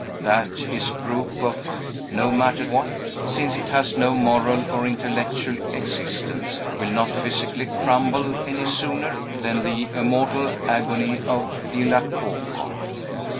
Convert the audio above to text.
that his group of no matter what, since it has no moral or intellectual existence will not physically crumble any sooner than the immortal agony of the Laocoon!